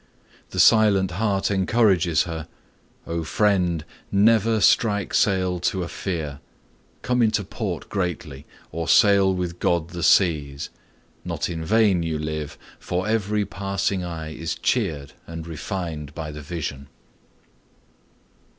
The silent heart encourages her; O friend, never strike sail to a fear! Come into port greatly, or sail with God the seas. Not in vain you live, for every passing eye is cheered and refined by the vision.